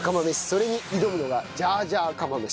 それに挑むのがジャージャー釜飯。